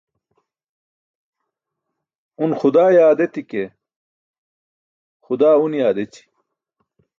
Un xudaa yaad eti̇ ke, xudaa une yaad eći.